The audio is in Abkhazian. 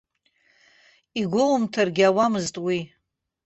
Игәоумҭаргьы ауамызт уи.